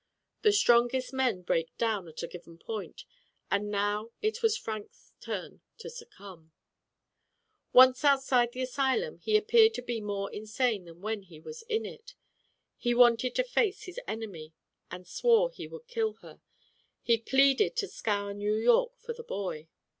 The strongest men break down at a given point, and now it was Frank's turn to succumb. Once outside the asylum he appeared to be more insane than when he was in it. He wanted Digitized by Google 228 THk PATE OP PENELLA. to face his enemy, and swore he would kill hef. He pleaded to scour New York for the boy.